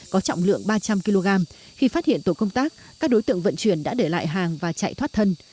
có trọng lượng ba trăm linh kg khi phát hiện tổ công tác các đối tượng vận chuyển đã để lại hàng và chạy thoát thân